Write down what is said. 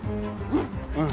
うん！